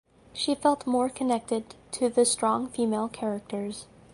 She felt more connected to the strong female characters.